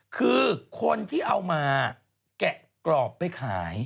คือคนที่เอามาแกะกรอบไปขาย